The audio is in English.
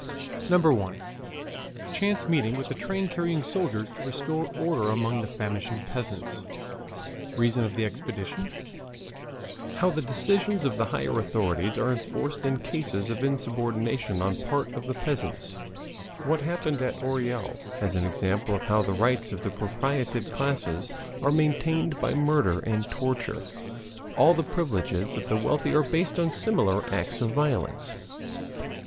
1. Chance Meeting with a Train Carrying Soldiers to Restore Order Among the Famishing Peasants Reason of the Expedition How the Decisions of the Higher Authorities are Enforced in Cases of Insubordination on Part of the Peasants What Happened at Orel, as an Example of How the Rights of the Propertied Classes are Maintained by Murder and Torture All the Privileges of the Wealthy are Based on Similar Acts of Violence.